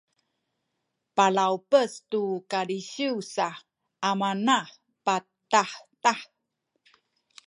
palawpes tu kalisiw sa amana patahtah